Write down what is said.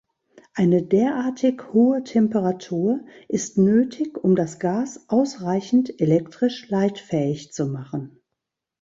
Eine derartig hohe Temperatur ist nötig, um das Gas ausreichend elektrisch leitfähig zu machen.